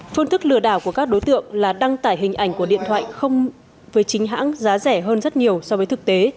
phương thức lừa đảo của các đối tượng là đăng tải hình ảnh của điện thoại không với chính hãng giá rẻ hơn rất nhiều so với thực tế